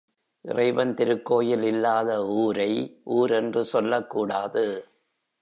இறைவன் திருக்கோயில் இல்லாத ஊரை ஊர் என்று சொல்லக்கூடாது.